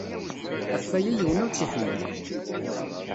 Ɣef waya, yiwen ur tt-iḥemmel.